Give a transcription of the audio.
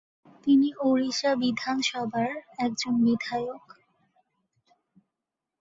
তিনি ওড়িশা বিধানসভার একজন বিধায়ক।